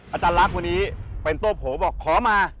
อาจารย์ลักษณ์วันนี้เป็นโต้โผบอกขอมา